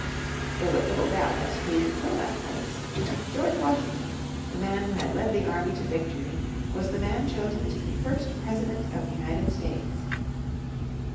There was little doubt as to who should fill that place. George Washington, the man who had led the army to victory, was the man chosen to be first President of the United States.